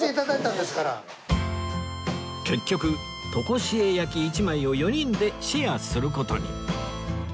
結局とこしえ焼き１枚を４人でシェアする事に